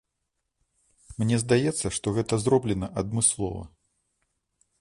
Мне здаецца, што гэта зроблена адмыслова.